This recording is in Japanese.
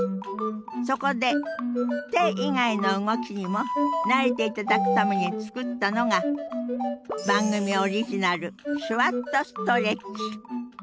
そこで手以外の動きにも慣れていただくために作ったのが番組オリジナル手話っとストレッチ。